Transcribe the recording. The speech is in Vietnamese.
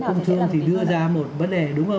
bộ công thương thì đưa ra một vấn đề